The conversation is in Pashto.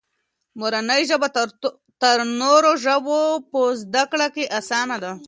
مورنۍ ژبه تر نورو ژبو په زده کړه کې اسانه ده.